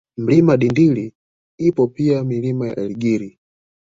Mlima Dindili ipo pia Milima ya Elgeri